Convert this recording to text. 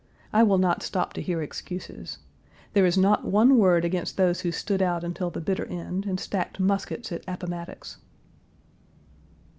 I will not stop to hear excuses. There is not one word against those who stood out until the bitter end, and stacked muskets at Appomattox.